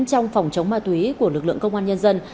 trong phòng chống ma túy của lực lượng công an nhân dân